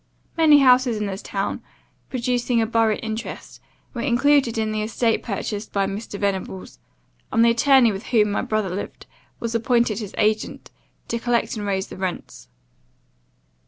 Many houses in this town, producing a borough interest, were included in the estate purchased by Mr. Venables, and the attorney with whom my brother lived, was appointed his agent, to collect and raise the rents.